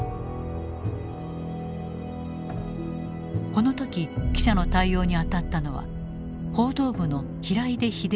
この時記者の対応に当たったのは報道部の平出英夫大佐。